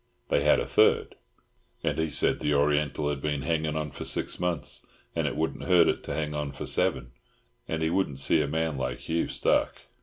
They had a third, and he said that the Oriental had been hanging on for six months, and it wouldn't hurt it to hang on for seven, and he wouldn't see a man like Hugh stuck.